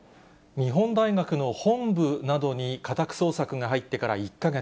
日本大学の本部などに家宅捜索が入ってから１か月。